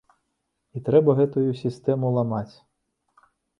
І трэба гэтую сістэму ламаць.